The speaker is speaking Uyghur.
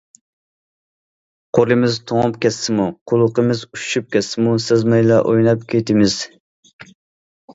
قولىمىز توڭۇپ كەتسىمۇ، قۇلىقىمىز ئۈششۈپ كەتسىمۇ سەزمەيلا ئويناپ كېتىمىز.